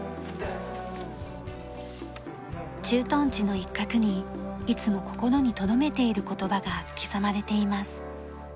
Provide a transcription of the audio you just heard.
駐屯地の一角にいつも心にとどめている言葉が刻まれています。